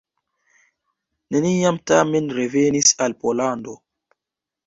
Neniam tamen revenis al Pollando.